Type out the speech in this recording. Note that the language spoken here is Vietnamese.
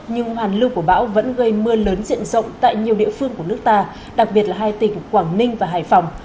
nhưng hoàn lưu của bão vẫn gây mưa lớn diện rộng tại nhiều địa phương của nước ta đặc biệt là hai tỉnh quảng ninh và hải phòng